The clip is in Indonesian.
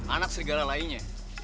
anak serigala lainnya